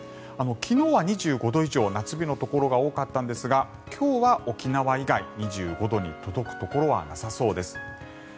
昨日は２５度以上夏日のところが多かったんですが今日は沖縄以外２５度に届くところはなさそうです。